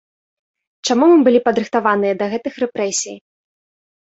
Чаму мы былі падрыхтаваныя да гэтых рэпрэсій?